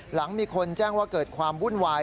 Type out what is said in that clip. หลังมีคนแจ้งว่าเกิดความวุ่นวาย